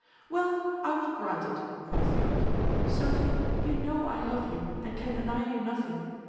"Well, I will grant it," cries the aunt. "Sophy, you know I love you, and can deny you nothing.